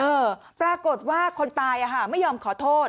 เออปรากฏว่าคนตายไม่ยอมขอโทษ